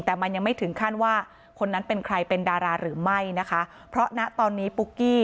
แต่มันยังไม่ถึงขั้นว่าคนนั้นเป็นใครเป็นดาราหรือไม่นะคะเพราะณตอนนี้ปุ๊กกี้